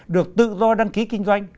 được tự do đăng ký kinh doanh